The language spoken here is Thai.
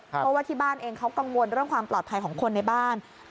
เพราะว่าที่บ้านเองเขากังวลเรื่องความปลอดภัยของคนในบ้าน